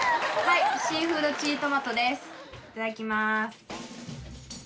いただきます。